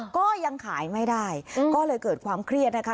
ก็ยังขายไม่ได้ก็เลยเกิดความเครียดนะคะ